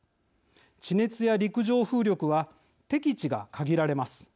地熱や陸上風力は適地が限られます。